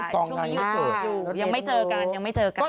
ยังไม่เจอกัน